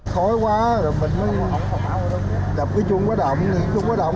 khói quá rồi mình mới đập cái chuông quá động